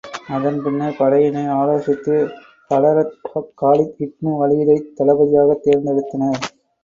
அதன் பின்னர், படையினர் ஆலோசித்து ஹலரத் காலித் இப்னு வலீதைத் தளபதியாகத் தேர்ந்தெடுத்தனர்.